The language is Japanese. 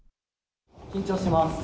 緊張します。